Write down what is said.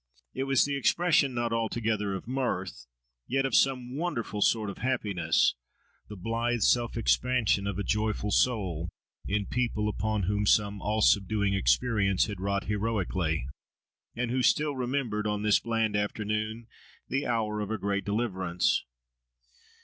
It was the expression not altogether of mirth, yet of some wonderful sort of happiness—the blithe self expansion of a joyful soul in people upon whom some all subduing experience had wrought heroically, and who still remembered, on this bland afternoon, the hour of a great deliverance.